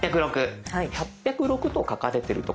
８０６と書かれてる所